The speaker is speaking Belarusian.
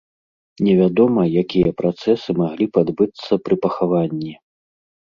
Невядома, якія працэсы маглі б адбыцца пры пахаванні.